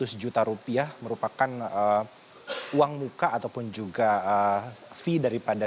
nah ini uang seratus juta rupiah merupakan uang muka ataupun juga fee daripada